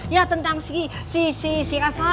ya tentang si si si si reva